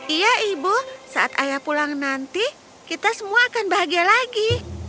iya ibu saat ayah pulang nanti kita semua akan bahagia lagi